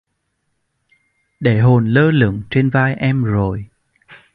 Để hồn lơ lửng trên vai em rồi